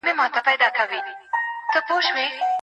اوسنی دولت د اقتصاد مدیر دی.